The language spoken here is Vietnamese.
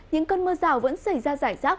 những cơn mưa rào vẫn xảy ra giải rác